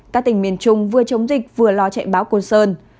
các tỉnh miền trung vừa chống dịch vừa lo chạy báo côn sơn